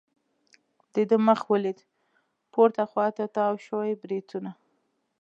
د ده مخ ولید، پورته خوا ته تاو شوي بریتونه.